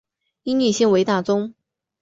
以女性为大宗